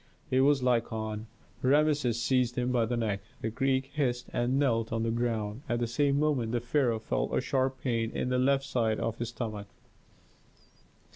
It was Lykon. Rameses seized him by the neck; the Greek hissed and knelt on the ground. At the same moment the pharaoh felt a sharp pain in the left side of his stomach.